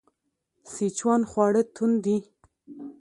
سیچوان خواړه توند دي.